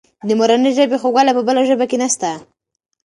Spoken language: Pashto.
د مورنۍ ژبې خوږوالی په بله ژبه کې نسته.